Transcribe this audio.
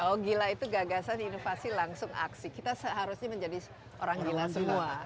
oh gila itu gagasan inovasi langsung aksi kita seharusnya menjadi orang gila semua